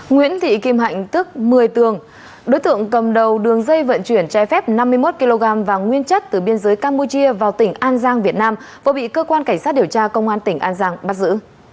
nguyễn thị kim hạnh tức một mươi tường đối tượng cầm đầu đường dây vận chuyển trái phép năm mươi một kg vàng nguyên chất từ biên giới campuchia vào tỉnh an giang việt nam vừa bị cơ quan cảnh sát điều tra công an tỉnh an giang bắt giữ